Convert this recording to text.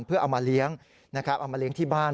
เพื่อเอามาเลี้ยงที่บ้าน